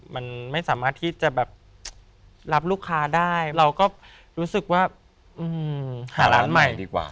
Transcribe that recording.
มันไม่สามารถที่จะแบบรับลูกค้าได้เราก็รู้สึกว่าหาร้านใหม่ดีกว่า